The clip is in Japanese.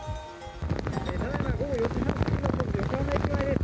ただいま午後４時半過ぎの横浜駅前です。